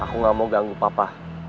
aku gak mau ganggu papa